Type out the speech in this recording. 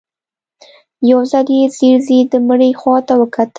يو ځل يې ځير ځير د مړي خواته وکتل.